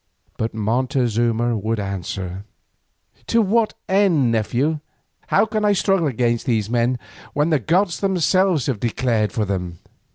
But Montezuma would answer, "To what end, nephew? How can I struggle against these men when the gods themselves have declared for them?